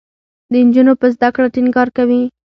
د نجونو په زده کړه ټینګار کوي.